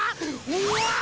うわ！